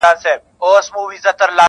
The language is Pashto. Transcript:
• څنګه د بورا د سینې اور وینو -